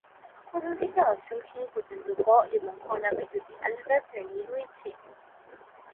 প্রথম থেকে অষ্টম শ্রেণী পর্যন্ত ক এবং খ নামে দুটি আলাদা শ্রেণী রয়েছে।